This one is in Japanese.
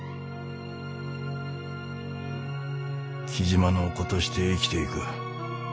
雉真の子として生きていく。